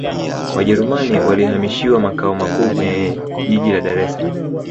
wajerumani walihamishiwa makao makuu kwenye jiji la dar es salaam